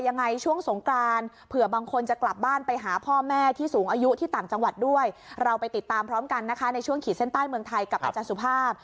ในช่วงขีดเส้นใต้เมืองไทยกับอาจารย์สุภาพ